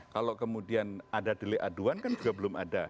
kalau kemudian ada delik aduan kan juga belum ada